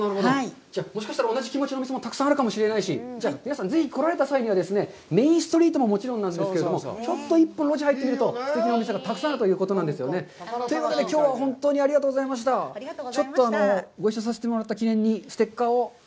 もしかしたら同じ気持ちのお店もたくさんあるかもしれないし、皆さん、ぜひ来られた際には、メインストリートも、もちろんなんですけども、ちょっと１歩路地に入ってもらうとすてきなお店がたくさんあるということなんですよね。というわけで、きょうは本当にありがとうございました。